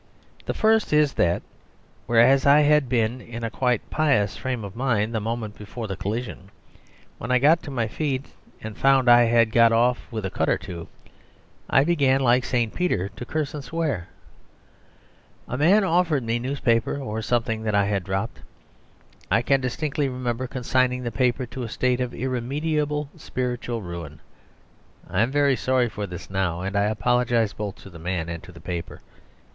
The first is that whereas I had been in a quite pious frame of mind the moment before the collision, when I got to my feet and found I had got off with a cut or two I began (like St. Peter) to curse and to swear. A man offered me a newspaper or something that I had dropped. I can distinctly remember consigning the paper to a state of irremediable spiritual ruin. I am very sorry for this now, and I apologise both to the man and to the paper.